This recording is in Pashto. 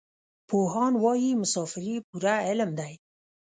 پوهان وايي مسافري پوره علم دی.